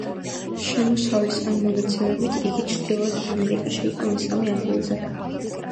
შემოსავლის ამ მონაცემებით იგი ჩრდილოეთ ამერიკაში იყო მესამე ადგილზე.